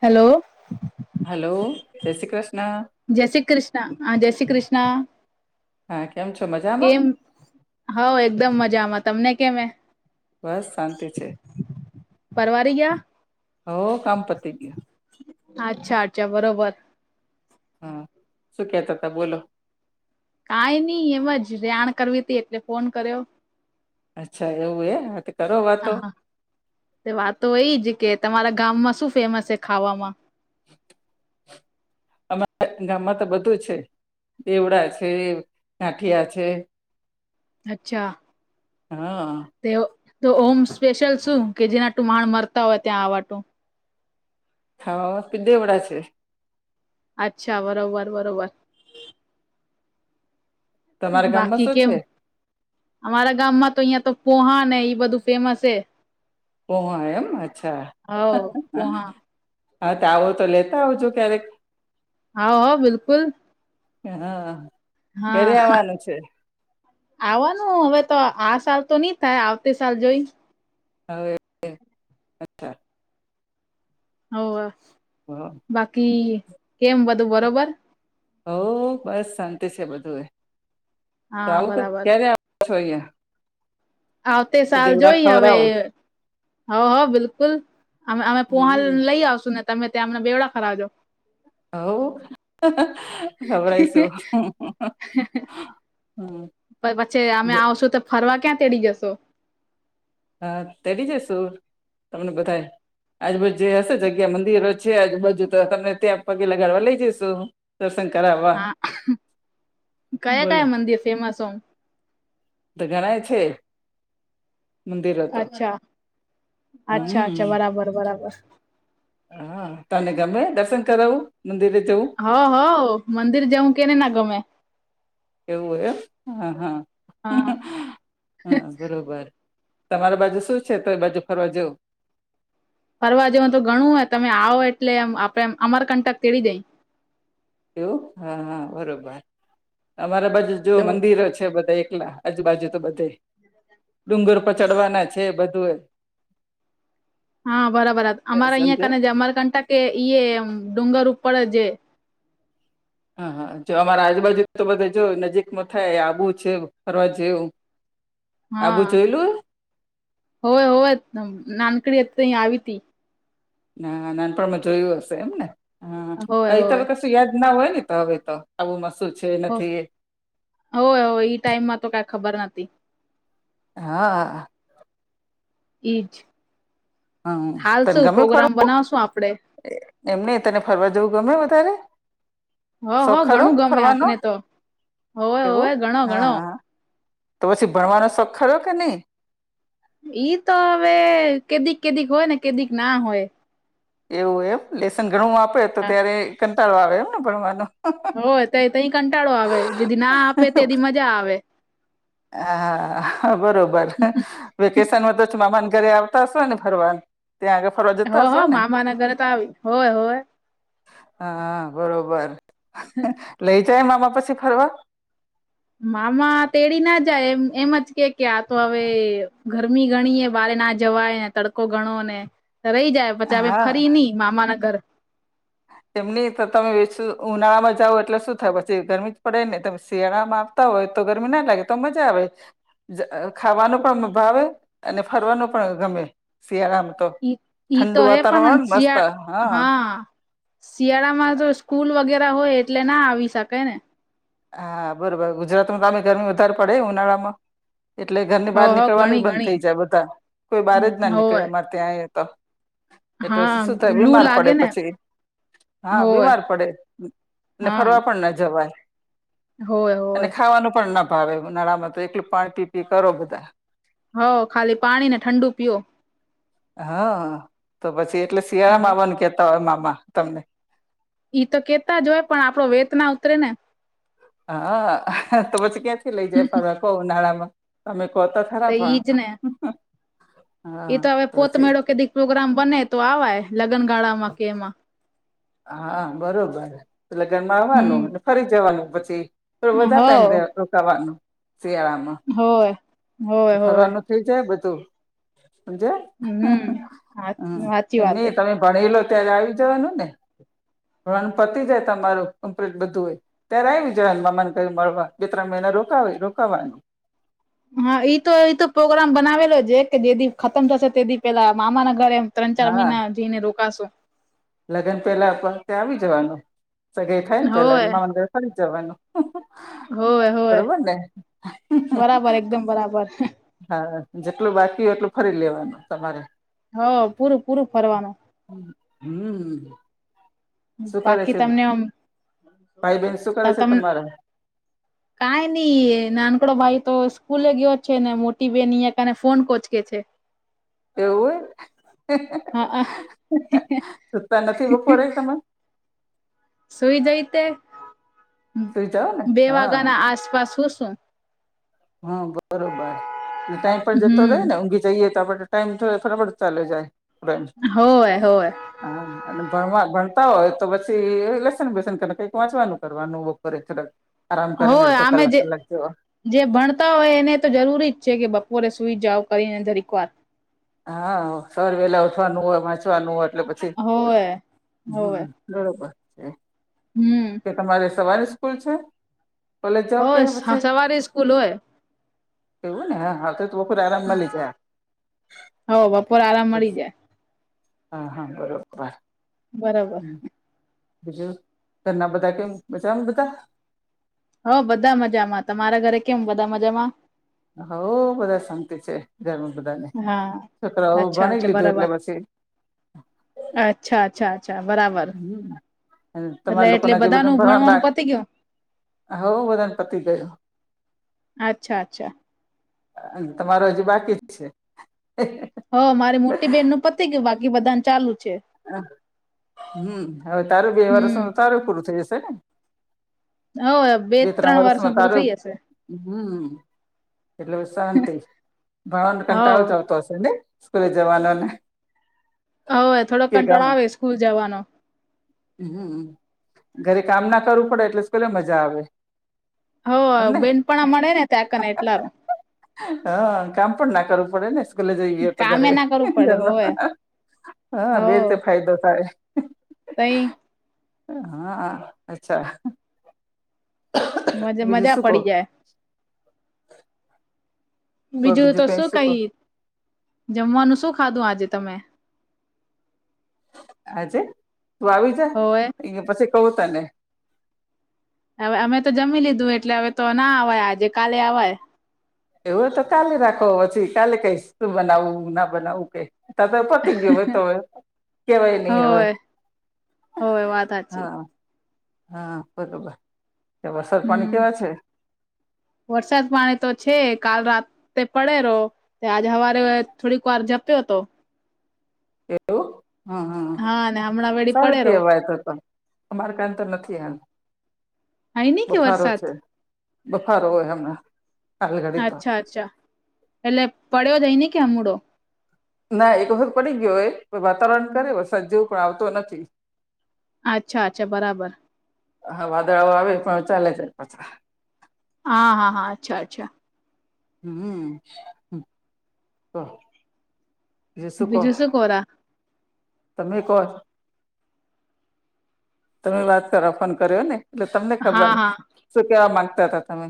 Hello hello જય શ્રી કૃષ્ણ જય શ્રી કૃષ્ણ હા જય શ્રી કૃષ્ણ હા કેમ છો મજામાં કેમ હઉ એકદમ મજામાં તમને કેમ બસ શાંતિ છે પરવારી ગયા હ કામ પતી ગયો અચ્છા અચ્છા બરોબર હા શું કેતા હતા બોલો કઈ નહી એમજ રેણ કરવી હતી એટલે ફોન કર્યો અચ્છા એવું એ કરો વાતો આ હા તે વાતો એજ કે તમારા ગામમાં શું ફેમસ છે ખાવામાં [unintelligible] અમા ગામમાં તો બધું છે. દેવડા છે ગાંઠિયા છે અચ્છા હા તે તો ઓમ સ્પેશિયલ શું કે જેનાટું માણા મરતા હોય ત્યાં આવવા ટું હા પીધે એવડા છે. અચ્છા બરોબર બરોબર તમારા ગામમાં બાકી શું કેમ છે અમારા ગામમાં તો અહિયાં તો પોહા ઈ બધું ફેમસ છે. પો આયમ અચ્છા હવ પોહા હા તો આવો તો લેતા આવજો ક્યારેક હા હા બિલકુલ હા ક્યારે હા આવવાનું છે આવવાનું હવે તો આ સાલ તો નઈ થાય આવતી સાલ જોઈ. હવે અચ્છા હોવા હા બાકી કેમ બધું બરોબર હો બસ શાંતિ છે, બધું એતો હા આવું બરાબર ક્યારે આવછો અહીંયા. આવતે સાલ જોઈ હવે ખવરાવું હવ હ બિલકુલ અમે અમે પોહાલ હમ લઈ આવશું ને તમે ત્યાં અમને બેવડા ખરાવજો. હવ ખવરાઈશું હમ્મ પછી અમે આવશું તો ફરવા ક્યાં તેડી જશો હા તેરી જ શું તમને બધા આજુબજુ જે હશે જગ્યા મંદિરો છે, આજુબજુ તો તમને ત્યાં પગે લગાડવા લઈ જઈશું. દર્શન કરાવવા હા બોલો જે ફેમસ હો તો ઘણાય છે. મંદિરો તો અચ્છા અચ્છા અચ્છા હમ બરાબર બરાબર. હા તને ગમે દર્શન કરાવું મંદિરે જવું? હવ હવ મંદિર જવું કે ને ના ગમે એવું એમ હ હા હમ્મ બરાબર તમારા બાજુ શું છે તો એ બાજુ ફરવા જેવું ફરવા જવાનું તો ઘણું હોય તમે આવો એટલે એમ આપડે અમરકંટક તેડી જઈ એવું હા હા બરોબર અમારા બાજુ જો તો મંદિરો છે બધા એકલા આજુબાજુ તો બધે ડુંગર પચડવાના છે, બધું એ હા બરાબર અમારે અહિયાં સમજે કને અમારકંટ કે ઈ ડુંગર ઉપર જે હા હા જો અમારા આજુબાજુ તો બધ જો નજીકમાં થાય આવું છે, ફરવા જેવું. આબુ હા જોયેલું હોવે હોય નાનકડી હતી હતી અહી આવી તી ના નાનપણમાં જોયું હશે એમને હોવે હાત હોવે કશું યાદ ના હોય ને તો હવે તો આવું મસું છે, એ હો નથી એ હોવે હોવે ઈ ટાઈમમાં તો કઈ ખબર નથી. હા ઈજ હમ હાલ તને શૌ ગમે પ્રોગ્રામ ફરવું બનાવશું આપડે એમને તને ફરવા જવું ગમે વધારે? હ હ શોખ ખરો ઘણું ગમે ફરવાનો આપને તો હોવે હોવે એવું ઘણો હા ઘણો હા તો પછી ભણવાનો શોખ ખરોરો કે નહી. ઈ તો હવે કેદીક કેદીક હોય ને કેદીક ના હોય. એવું એમ લેસન ઘણું આપે તો ત્યારે કંટાળો આવે એમને ભણવાનું. હોય ત તહી કંટાળો આવે જેદી ના આપે તે મજા આવે. હ હા બરોબર. વેકેશનમાંધ જ મામાને ઘરે આવતા હશે ને ફરવાન ત્યાં આગળ. ફરવા હો જતા હો હશો ને મામાના ઘર તો આવે હોય હોય. હા બરોબર લઈ જાય મામા પછી ફરવા. મામા તેડીના જાય એમ એમજ કે કે આતો હવે ગરમી ગણીએ બારેના જાય. જવાય ને તડકો ગણો ને રહી જાય પછી અમે હા ફરી નહી મામા ન ઘર. એમની તો તમે વ ઉનાળામાં જાવ એટલે શું થાય પછી ગરમીજ પડે ને તમે શિયાળામાં. હોય તો ગરમી ના લાગે તો મજા આવે. ખાવાનો પણ ભાવે અને ફરવાનું પણ ગમે શિયાળામાં. તો ઈ ઈ ઠંડુ તો હે પણ વાતાવરણ મસ્ત શિયા હા. શિયાળામાં તો સ્કૂલ વગેરે હોય એટલે ના આવી શકાય ને. હા બરોબર ગુજરાતમાં તમે ગરમી વધારે પડે ઉનાળામાં. એટલે ઘરની હો બહાર હો નીકળવાનુંજ ઘણી બંધ થઇ જાય બધા કોઈ બહારજના ઘણી નીકળે હોય અમારે. ત્યાં એ તો એટલે હા શું થાય લુ બીમાર પડે લાગે ને પછી. હા હોય બીમાર પડે ને ફરવા પણના જવાય. હો. અને ખાવાનું પણના ભાવે નાળમાં તો એકલું પાણી પીપી કરો બધા. હ ખાલી પાણીને ઠંડુ પીઓ. હા તો પછી એટલે હા શિયાળામા બન કેતા હોય મામા તમને. ઈ તો કેતાજ હોય પણ આપડો વેત ના ઉતરે ને. હા તો પછી ક્યાંથી લઈ જાય ફર કોહ ઉનાળામાં તમે કોતા. તો ખરાપ ઈજ ને એ તો હવે પોતમેળો કેદીક પ્રોગ્રામ બને તો આવાય લગ્નગાળામાં કે એમાં. હા બરોબર લગ્ન માં આવવાનું હમ ફરી જવાનું પછી. વધધા હોવ ટાઈમ રોકાવાનું શિયાળામાં. હોય હોય હોય ી છે બધું સમજે હમ હા હમ સાચી એમ ન વાત હે તમે ભણી લો ત્યારે આવી જવાનું ને. પણણ પતિ જાય તમારું કમ્પ્લીટ બધું હોય. ત્યારે આવી જ હનમાં મન ક્યું મળવા બે ત્રણ મહિના રોકાવ રોકવાનું. હા ઈ તો તો પ્રોગ્રામ બનાવેલો છે કે જેદી ખતમ થશે તેથી પેલા મામા ના ઘરે એમ ત્રણ ચાર મહિના જઈને રોકાશો. લગન પેલા ત્યાં આવી જવાનું સગાઈ થાયને હોય પેલા અંદર ખ જવાનું. હોય હોય બરોબર ને. બરાબર એકદમ બરાબર હા જેટલું બાકી હોય એટલું ફરી લેવાનું તમારે. હ પૂરું પૂરું ફરવાનું. હ હમ હ બાકી તમને ભાઈ બહેન શું કરે છે તમ તમારા કઈ નઈ નાનકડો ભાઈ તો સ્કૂલે ગયો છે ને મોટી બેન અં કને ફોન કોચકે છે. એવું હા અ સતા નથી બકો રહી તમે. સુઈ જઈ તે સુઈ જાઓ ને બે હા વાગ્યા ના આસપાસ હું શું. હા બરોબર એટલે ટાઈમ પણ જતો જાય હમ ને ઊંઘી જઈએ તો આપ ટાઈમ થો થોડાબડું ચાલ્યો જાય. હોય હોય હા ભણવા ભણતા હોય તો પછી લસન બેસનને કઈક વાંચવાનું કરવાનું બરેક. હોય આમે જે. જે ભણતા હોય એને તો જરૂરી છે કે બપોરે સુઈ જાવ કરીને જરીક વાર. હા સવારે વેલા ઉઠવાનું હોય વાંચવાનું હોય એટલે પછ હોવે હોવે. બરોબર છે. હમ. કે તમારે સવારે સ્કૂલ છે કોલેજ જાવ કે હોય પછી. સવારે સ્કૂલ હોય એવું ને હા હા તો તો પર આરામ મલી જાય. હો બપોરે આરામ મળી જાય હા હા બરોબર. બરાબર. બીજું ઘરના બધા કેમ બધા એમ બધા. હો બધા મજામાં તમારા ઘરે કેમ બધા મજામાં. હઉ બધા શાંતિ છે ઘરમાં બધાને હા છોકરાઓ અચ્છા ભણી અચ્છા લીધું એટલે બરાબર પછી અચ્છા અચ્છા. અચ્છા બરાબર હમ એટલે તમારા લોકો એટલે ના જે બધા નુ ભણવાનું પતી ગયું. હો બઘા નુ પતી ગયું. અચ્છા અચ્છા. તમારો હજીુ બાકી જ છે. હ મારી મોટી બેહેન નું પતિ ગયું બાકી બધાને ચાલુ છે. હ હમ હવે તારું બે વર્ષ હમ મા તારું પૂરું થઈ જશે ને. હવે બે ત્રણ વર્ષમાં પૂરું તારું થઈ જશે હમ. એટલે શાંતિ ભણવા હો કંટાળો જ આવતો હશે ને સ્કૂલે જવાનો ને. હોવે થોડોક કે કંટ્રોળો આવે સ્કૂલ જવાનો. હમ્મ ઘરે કામ ના કરવું પડે એટલે સ્કૂલે મજા આવે. હોવે એમને બેનપણા મળે ને ત્યાં કને એટલા હારુ. હ કામ પણ ના કરવું પડે ને સ્કૂલે જઈએ કામે વધારે ના કરવું પડે ઘરનું હોવે હા હો બે રીતે ફાયદો થાય. તઈ હા અચ્છા. મજા બીજું મજા શું કહો પડી જાય. કો બીજું તો કઈ શું કહો કહી જમવાનું શું ખાધું આજે તમે. આજે તું આવી જા હોવે ઇયા પછી કઉ તને. હવે અમે તો જમી લીધું એટલે હવે તો ના આવાય આજે કાલે આવાય. એવું તો કાલે રાખો પછી કાલે કઈશ શું બનાવવું ના બનાવવું કે. અતાર પતી ગયુ હોય તો કેવાય નહી હવે. હોવે હોવે વાત હાચી. હા હા બરોબર ત્યાં વરસાદ પાણી હમ કેવા છે. વરસાદ પાણી તો છે કાલ રાત તે પડે રો. તે આજે હવારે થોડીક વાર જપ્યો હતો. એવું હા હા હા ને હમણાં વેડી સારું પડેરો કેવાય તો તા. અમારે કને તો નથી એમ હઈ નહી કે બફારો વરસાદ છે. બફારો હોય હમણાં હાલ ઘડી તો અચ્છા અચ્છા એટલે પડ્યો જ હઈ ની કે હમૂડો. ના એક વખત પડી ગયો એ વાતાવરણ કરે વરસાદ જેવું પણ આવતો નથી. અચ્છા અચ્છા બરાબર. હા વાદળાઓ આવે પણ ચાલયા જાય પાછા. હા હા હા અચ્છા અચ્છા. હમ્મ તો. જે શું કહો બીજું કોરા તમે કહો. તમે વાત કરવા ફોન કર્યો ને એટલે તમને હા ખબર હા શું કેવા માંગતા હતા તમે.